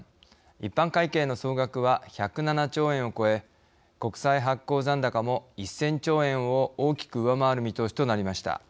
一般会計の総額は１０７兆円を超え国債発行残高も１，０００兆円を大きく上回る見通しとなりました。